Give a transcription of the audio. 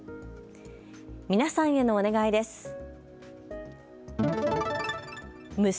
皆さんへのお願いです。